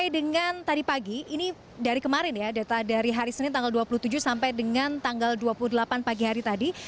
dengan tadi pagi ini dari kemarin ya data dari hari senin tanggal dua puluh tujuh sampai dengan tanggal dua puluh delapan pagi hari tadi